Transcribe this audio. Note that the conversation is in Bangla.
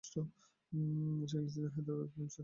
সেখানে তিনি হায়দ্রাবাদ ফিল্ম সোসাইটি প্রতিষ্ঠা করেন।